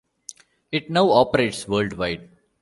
It now operates worldwide.